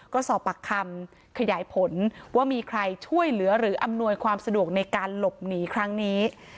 ก็สอบปากคำขยายผลว่ามีใครช่วยเหลือหรืออำนวยความสะดวกในการหลบหนีครั้งนี้